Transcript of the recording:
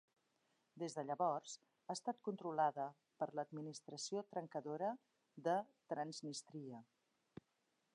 Des de llavors, ha estat controlada per l'administració trencadora de Transnistria.